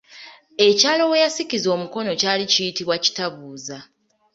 Ekyalo we yakisiza omukono kyali kiyitibwa Kitabuuza.